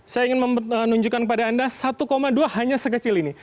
saya ingin menunjukkan pada anda satu dua hanya sekecil ini